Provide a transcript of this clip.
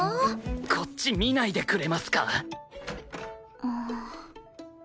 こっち見ないでくれますか？